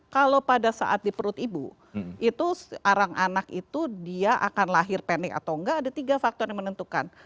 kalau pada saat di perut ibu itu arang anak itu dia akan lahir pendek atau enggak ada tiga faktor yang menentukan